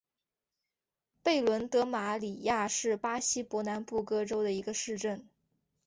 贝伦德马里亚是巴西伯南布哥州的一个市镇。